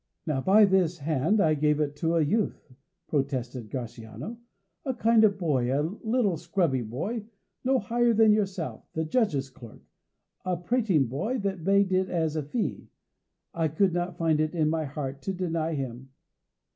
"Now, by this hand. I gave it to a youth," protested the exasperated Gratiano; "a kind of boy a little scrubby boy, no higher than yourself, the judge's clerk, a prating boy that begged it as a fee. I could not find it in my heart to deny him."